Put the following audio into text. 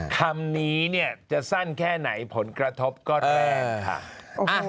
คำนี้จะสั้นแค่ไหนผลกระทบก็แรงค่ะ